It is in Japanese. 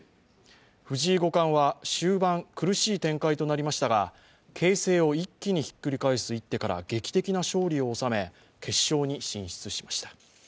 藤井五冠は終盤、苦しい展開となりましたが形勢を一気に引っくり返す一手から劇的な勝利を収め、決勝に進出しました。